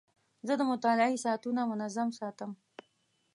زه د مطالعې ساعتونه منظم ساتم.